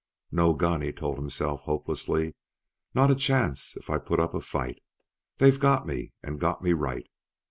"No gun!" he told himself hopelessly. "Not a chance if I put up a fight! They've got me and got me right.